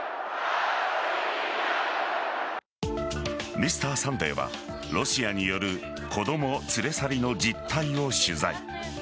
「Ｍｒ．サンデー」はロシアによる子供連れ去りの実態を取材。